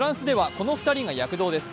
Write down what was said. この２人が躍動です。